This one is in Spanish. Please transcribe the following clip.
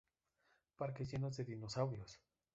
Parques llenos de dinosaurios.